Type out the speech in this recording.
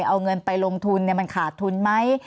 เอาเงินไปลงทุนมันขาดทุนไหม